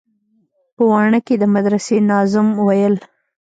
په واڼه کښې د مدرسې ناظم ويل.